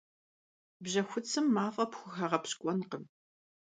Bjexutsım maf'e pxuxeğepşk'uenkhım.